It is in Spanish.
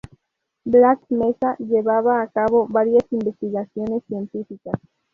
Black Mesa llevaba a cabo varias investigaciones científicas.